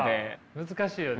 難しいよね。